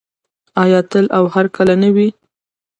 آیا تل او هرکله نه وي؟